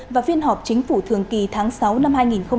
và phiên họp chính phủ thường kỳ tháng sáu năm hai nghìn hai mươi